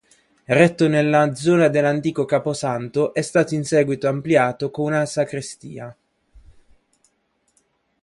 Eretto nella zona dell'antico camposanto è stato in seguito ampliato con una sacrestia.